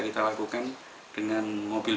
kita lakukan dengan mobil